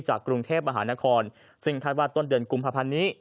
กรุงเทพมหานครซึ่งคาดว่าต้นเดือนกุมภาพันธ์นี้